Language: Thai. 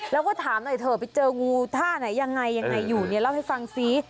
แล้วก็ถามหน่อยเถอะไปเจองูท่าไหนยังไงอยู่เล่าให้ฟังสิ